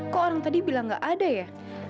kok orang tadi bilang gak ada ya